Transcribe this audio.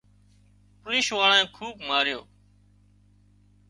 پوليش واۯانئي خوٻ ماريو